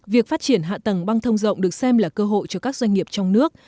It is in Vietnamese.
việc phát triển hạ tầng băng thông rộng được xem là cơ hội cho các doanh nghiệp trong nước